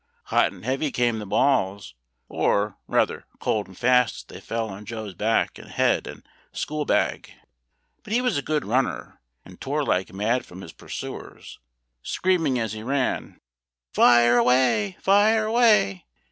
Hot and heavy came the balls, or rather cold and fast they fell on Joe's back and head and school bag. But he was a good runner, and tore like mad from his pursuers, screaming, as he ran, "Fire away! fire away!"